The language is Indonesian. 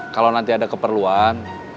kalo nanti ada keperluan